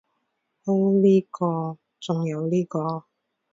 噢呢個，仲有呢個